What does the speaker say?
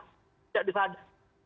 tidak bisa ada